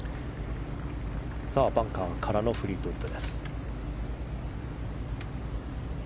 バンカーからのフリートウッド。